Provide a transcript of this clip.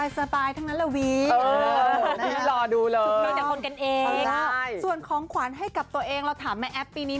ส่วนของขวัญให้กับตัวเองเราถามแม่แอฟปีนี้